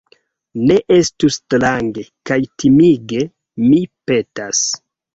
Ne estu strange kaj timige, mi petas